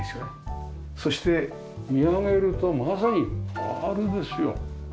そして見上げるとまさにアールですよ。